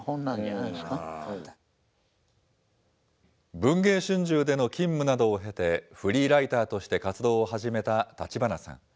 文藝春秋での勤務などを経て、フリーライターとして活動を始めた立花さん。